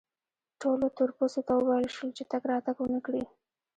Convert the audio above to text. ټولو تور پوستو ته وویل شول چې تګ راتګ و نه کړي.